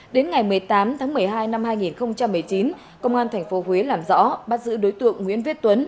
đến ngày một mươi tám tháng một mươi hai năm hai nghìn một mươi chín công an tp huế làm rõ bắt giữ đối tượng nguyễn viết tuấn